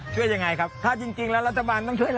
จริงครับ